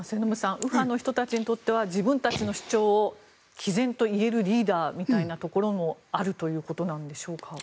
右派の人たちにとっては自分たちの主張をきぜんと言えるリーダーみたいなところもあるということなんでしょうか。